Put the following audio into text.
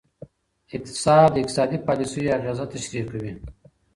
اقتصاد د اقتصادي پالیسیو اغیزه تشریح کوي.